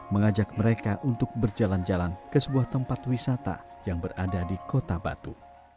mengajak mereka untuk berjalan jalan ke sebuah tempat wisata yang berada di kota batu